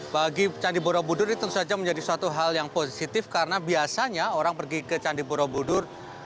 bagi candi borobudur ini tentu saja menjadi suatu hal yang positif karena biasanya orang pergi ke candi borobudur